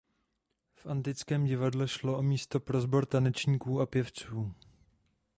V antickém divadle šlo o místo pro sbor tanečníků a pěvců.